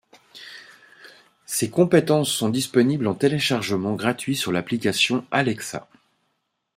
Ces compétences sont disponibles en téléchargement gratuit sur l'application Alexa.